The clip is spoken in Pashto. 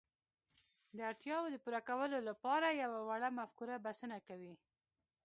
د اړتياوو د پوره کولو لپاره يوه وړه مفکوره بسنه کوي.